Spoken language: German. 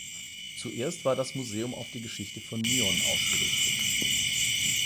Zuerst war das Museum auf die Geschichte von Nyon ausgerichtet.